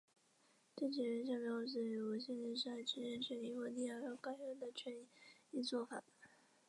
这是起因于唱片公司和无线电视台之间因权益问题而改用的权宜作法。